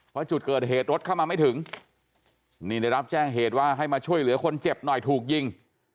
เพราะจุดเกิดเหตุรถเข้ามาไม่ถึงนี่ได้รับแจ้งเหตุว่าให้มาช่วยเหลือคนเจ็บหน่อยถูกยิง